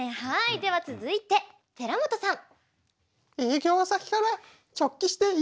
では続いて田中さん。